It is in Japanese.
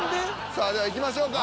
さあではいきましょうか。